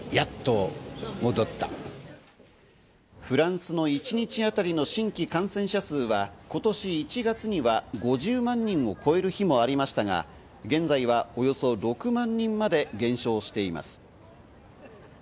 フランスの一日あたりの新規感染者数は今年１月には５０万人を超える日もありましたが、現在はおよそ６万人まで減少しています。